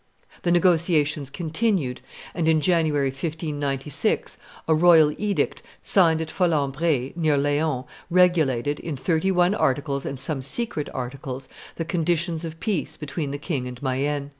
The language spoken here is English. The negotiations continued, and, in January, 1596, a royal edict, signed at Folembray, near Laon, regulated, in thirty one articles and some secret articles, the conditions of peace between the king and Mayenne.